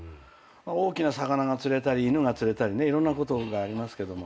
大きな魚が釣れたり犬が釣れたりねいろんなことがありますけども。